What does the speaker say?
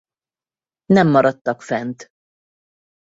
Nem maradtak fent.